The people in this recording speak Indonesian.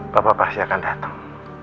papa pasti akan datang